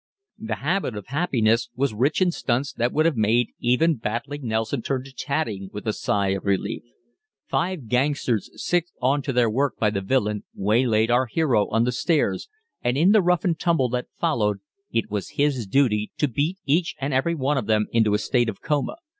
"The Habit of Happiness" was rich in stunts that would have made even Battling Nelson turn to tatting with a sigh of relief. Five gangsters, sicked on to their work by the villain, waylaid our hero on the stairs, and in the rough and tumble that followed, it was his duty to beat each and every one of them into a state of coma.